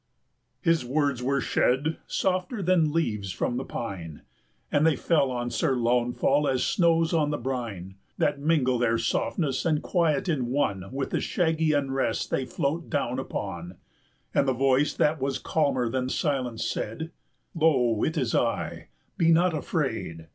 His words were shed softer than leaves from the pine, 310 And they fell on Sir Launfal as snows on the brine, That mingle their softness and quiet in one With the shaggy unrest they float down upon; And the voice that was calmer than silence said, "Lo it is I, be not afraid!